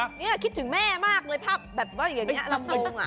นี่คิดถึงแม่มากเลยภาพแบบว่าอย่างนี้ลำดง